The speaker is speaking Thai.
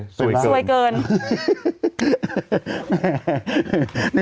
อันนี้เลยสวยเกิน